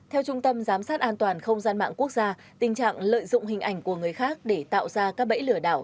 theo trung tâm giám sát an toàn không gian mạng quốc gia tình trạng lợi dụng hình ảnh của người khác để tạo ra các bẫy lừa đảo